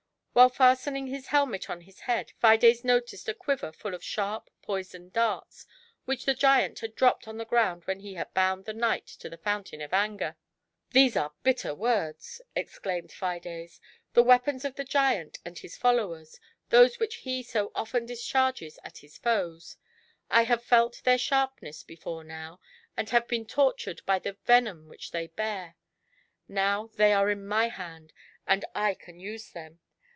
While fastening his helmet on his head, Fides noticed a quiver full of sharp, poisoned darts, which the giant had dropped on the ground when he had bound the knight by the fountain of Anger. GIANT HATE. 103 " Tlicse are ' bitter words/ " exclaimed Fides, " the weapons of the giant and his followers, those which he so often discharges at his foes. I have felt their sharp ness before now, and have been tortured by the venom which they bear. Now they are in my hand, and I can use them.